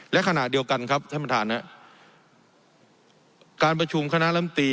และขณะเดียวกันครับท่านประธานการประชุมคณะลำตี